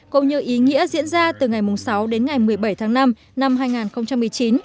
cũng như ý nghĩa diễn ra từ ngày sáu đến ngày một mươi bảy tháng năm năm hai nghìn một mươi chín